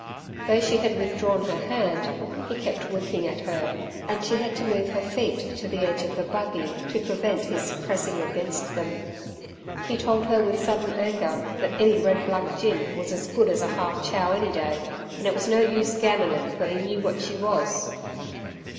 Though she had withdrawn her hand, he kept winking at her, and she had to move her feet to the edge of the buggy to prevent his pressing against them. He told her with sudden anger that any red black gin was as good as a half chow any day, and it was no use gammoning for he knew what she was.